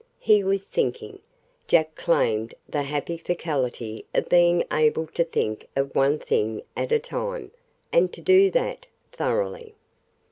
He was thinking Jack claimed the happy faculty of being able to think of one thing at a time, and to do that thoroughly.